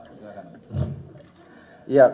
tidak lupa silakan